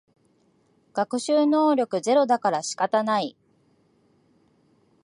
学習能力ゼロだから仕方ない